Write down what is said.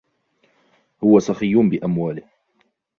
هو سخي بأمواله.